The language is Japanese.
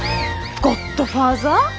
ゴッドファーザー？